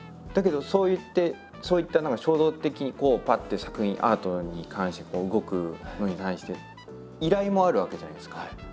だけどそういってそういった何か衝動的にこうパッて作品アートに関して動くことに対して依頼もあるわけじゃないですか。